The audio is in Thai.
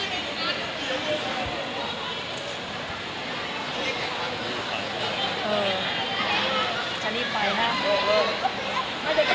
ก็ไม่มีคนกลับมาหรือเปล่า